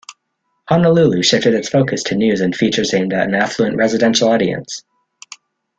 "Honolulu" shifted its focus to news and features aimed at an affluent residential audience.